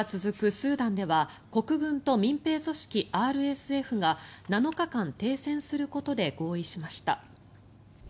スーダンでは国軍と民兵組織ＲＳＦが７日間停戦することで合意しました。